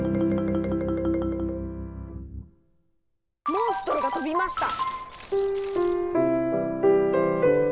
モンストロが飛びました！